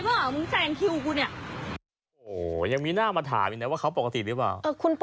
โหยังมีหน้ามาถามว่าเขาปกติหรือเปล่า